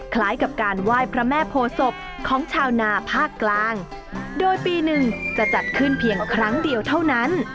คล้ายกับการไหว้พระแม่โพศพของชาวนาภาคกลางโดยปีหนึ่งจะจัดขึ้นเพียงครั้งเดียวเท่านั้น